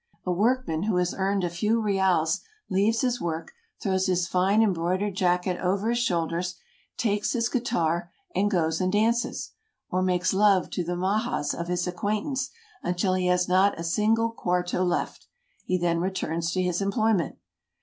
A workman who has earned a few reals leaves his work, throws his fine em broidered jacket over his shoulders, takes his guitar and goes and dances, or makes love to the majas of his acquaint ance until he has not a single cuarto left; he then returns to his employment.